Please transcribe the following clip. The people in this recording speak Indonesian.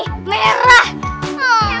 tahan tahan tahan